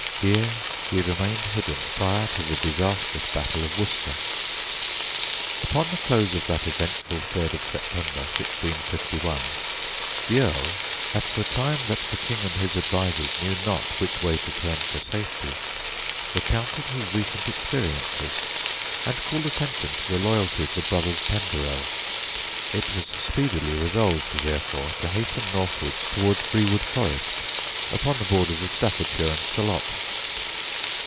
Here he remained hidden prior to the disastrous battle of Worcester. Upon the close of that eventful third of September, 1651, the Earl, at the time that the King and his advisers knew not which way to turn for safety, recounted his recent experiences, and called attention to the loyalty of the brothers Penderel. It was speedily resolved, therefore, to hasten northwards towards Brewood Forest, upon the borders of Staffordshire and Salop.